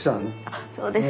あっそうですか。